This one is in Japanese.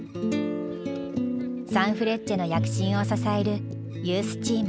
サンフレッチェの躍進を支えるユースチーム。